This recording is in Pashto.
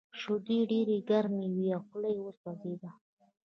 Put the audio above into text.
شیدې ډېرې ګرمې وې او خوله یې وسوځېده